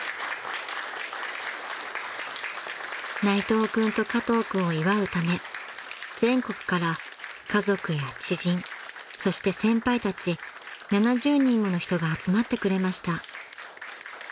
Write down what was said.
［内藤君と加藤君を祝うため全国から家族や知人そして先輩たち７０人もの人が集まってくれました］